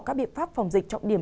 các biện pháp phòng dịch trọng điểm